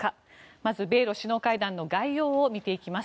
まず、米ロ首脳会談の概要を見ていきます。